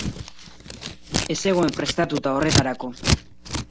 Ez zegoen prestatuta horretarako.